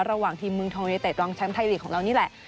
ระหว่างทีมเมืองเที่ยวรองแชมป์ไทยลีกของเรานี่แหละ